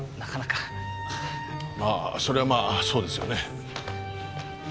ああそれはまあそうですよね。